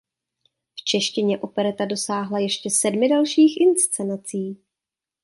V češtině opereta dosáhla ještě sedmi dalších inscenací.